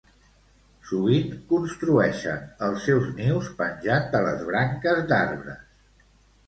Sovint construeixen els seus nius penjant de les branques d'arbres.